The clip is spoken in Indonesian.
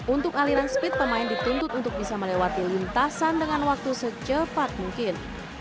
untuk aliran speed pemain dituntut untuk bisa melewati lintasan dengan waktu secepat mungkin